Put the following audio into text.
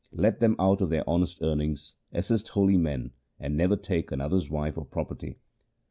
Let them out of their honest earnings assist holy men and never take another's wife or property.